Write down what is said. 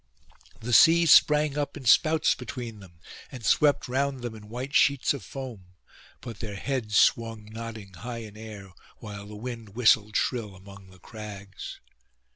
The sea sprang up in spouts between them, and swept round them in white sheets of foam; but their heads swung nodding high in air, while the wind whistled shrill among the crags.